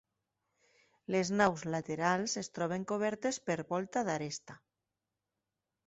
Les naus laterals es troben cobertes per volta d'aresta.